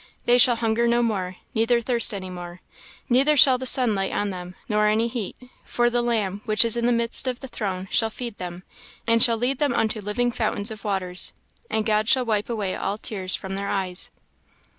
They shall hunger no more, neither thirst any more; neither shall the sun light on them, nor any heat. For the Lamb, which is in the midst of the throne, shall feed them, and shall lead them unto living fountains of waters; and God shall wipe away all tears from their eyes."